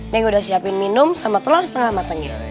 yang udah siapin minum sama telur setengah matangnya